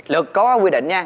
luật có quy định nha